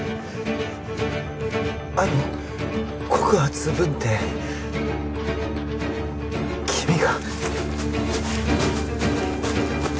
あの告発文って君が？